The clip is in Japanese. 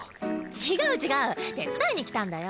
違う違う手伝いにきたんだよ。